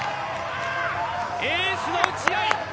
エースの打ち合い